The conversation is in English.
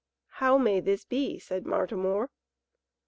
"How may this be?" said Martimor.